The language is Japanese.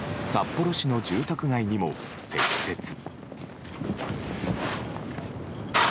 札幌市の住宅街にも積雪。